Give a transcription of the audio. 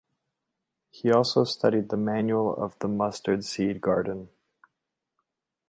He also studied the "Manual of the Mustard Seed Garden".